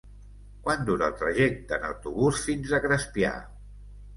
Quant dura el trajecte en autobús fins a Crespià?